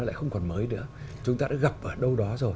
lại không còn mới nữa chúng ta đã gặp ở đâu đó rồi